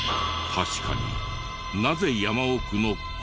確かに。